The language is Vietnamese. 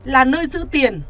là nơi giữ tiền